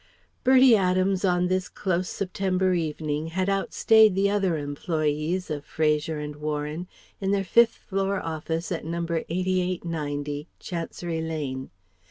Bertie Adams on this close September evening had out stayed the other employés of Fraser and Warren in their fifth floor office at No. 88 90 Chancery Lane.